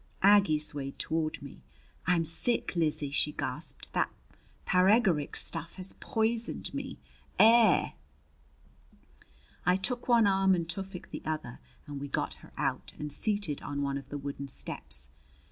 Aggie swayed toward me. "I'm sick, Lizzie!" she gasped. "That paregoric stuff has poisoned me. Air!" I took one arm and Tufik the other, and we got her out and seated on one of the wooden steps.